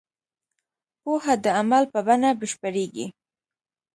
پوهه د عمل په بڼه بشپړېږي.